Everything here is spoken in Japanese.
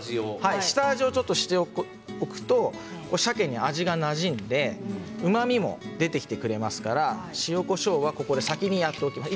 下味をしておきますとさけに味がなじんでうまみも出てきてくれますので塩と、こしょうは最初にしておきます。